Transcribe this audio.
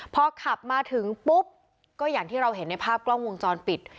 พอขับมาถึงปุ๊บก็อย่างที่เราเห็นในภาพกล้องวงจรปิด